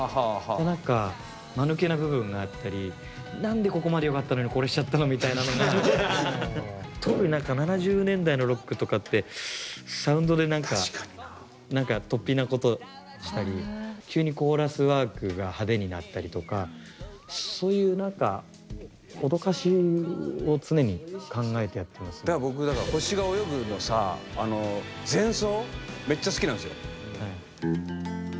で何かまぬけな部分があったり何でここまでよかったのにこれしちゃったのみたいなのが特に７０年代のロックとかってサウンドで何かとっぴなことしたり急にコーラスワークが派手になったりとかそういう何かだから僕だからそう前奏。